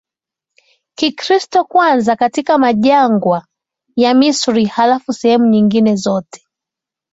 Kikristo kwanza katika majangwa ya Misri halafu sehemu nyingine zote